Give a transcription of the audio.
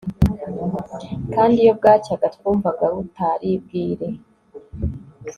kandi iyo bwacyaga twumvaga butari bwire